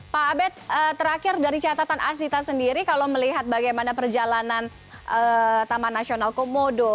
pak abed terakhir dari catatan asita sendiri kalau melihat bagaimana perjalanan taman nasional komodo